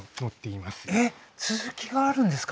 えっ続きがあるんですか？